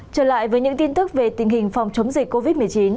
trở lại với những tin tức về tình hình phòng chống dịch covid một mươi chín